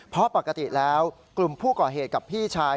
เพราะปกติแล้วกลุ่มผู้ก่อเหตุกับพี่ชาย